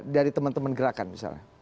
dari teman teman gerakan misalnya